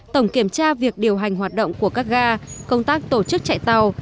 tổng kiểm tra việc điều hành hoạt động của các ga công tác tổ chức chạy tàu